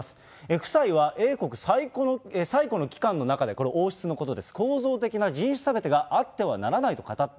夫妻は英国最古の機関の中で、これ、王室のことです、構造的な人種差別があってはならないと語った。